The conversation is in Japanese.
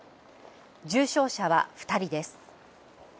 重症者は２人です。